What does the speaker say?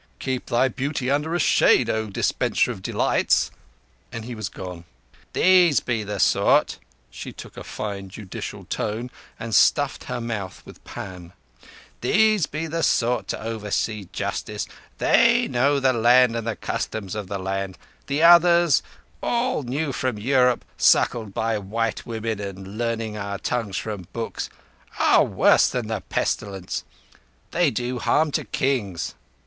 Keep thy beauty under a shade—O Dispenser of Delights," and he was gone. "These be the sort"—she took a fine judicial tone, and stuffed her mouth with pan—"These be the sort to oversee justice. They know the land and the customs of the land. The others, all new from Europe, suckled by white women and learning our tongues from books, are worse than the pestilence. They do harm to Kings."